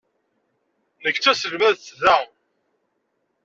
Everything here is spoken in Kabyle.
Nekk d taselmadt da.